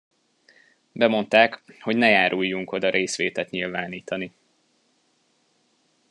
Bemondták, hogy ne járuljunk oda részvétet nyilvánítani.